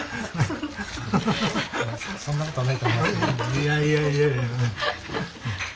いやいやいやいや。